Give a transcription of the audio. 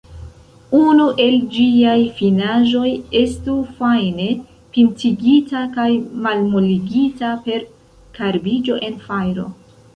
Unu el ĝiaj finaĵoj estu fajne pintigita kaj malmoligita per karbiĝo en fajro.